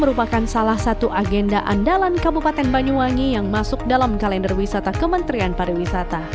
merupakan salah satu agenda andalan kabupaten banyuwangi yang masuk dalam kalender wisata kementerian pariwisata